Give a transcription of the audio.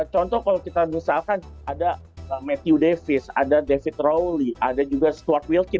contoh kalau kita misalkan ada matthew davis ada david rowley ada juga stuart wilkin